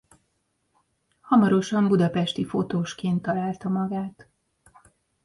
Hamarosan budapesti fotósként találta magát.